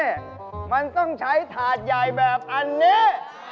นี่มันต้องใช้ถาดใหญ่แบบอันนี้